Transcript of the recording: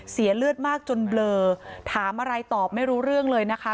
เสียเลือดมากจนเบลอถามอะไรตอบไม่รู้เรื่องเลยนะคะ